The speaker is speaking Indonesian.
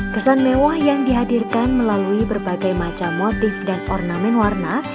kesan mewah yang dihadirkan melalui berbagai macam motif dan ornamen warna